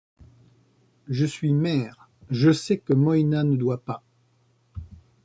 Je suis mère, je sais que Moïna ne doit pas...